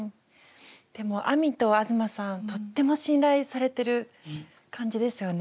でもあみと東さんとっても信頼されてる感じですよね。